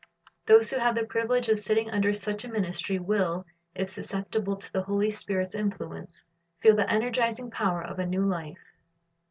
Those who have the privilege ^^ of sitting under such a ministry will, if susceptible to the Holy Spirit's influ ence, feel the energizing power of a new life.